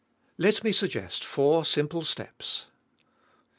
Let me suggest four simple steps.